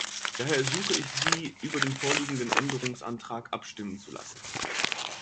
Daher ersuche ich Sie, über den vorliegenden Änderungsantrag abstimmen zu lassen.